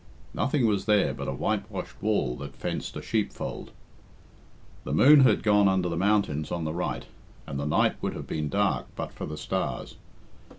Nothing was there but a whitewashed wall that fenced a sheepfold. The moon had gone under the mountains on the right, and the night would have been dark but for the stars.